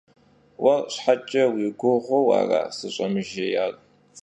Vuer şheç'e vui guğeu ara sış'emıjjêyar?